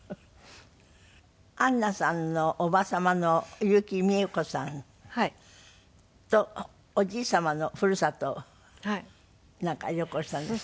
アンナさんのおば様の結城美栄子さんとおじい様の故郷をなんか旅行したんですって？